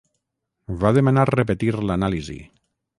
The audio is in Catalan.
Va demanar repetir l'anàlisi.